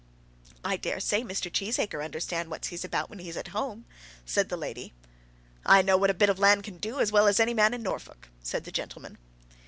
"I daresay Mr. Cheesacre understands what he's about when he's at home," said the lady. "I know what a bit of land can do as well as any man in Norfolk," said the gentleman.